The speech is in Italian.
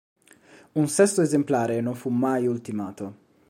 Un sesto esemplare non fu mai ultimato.